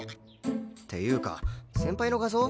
っていうか先輩の画像？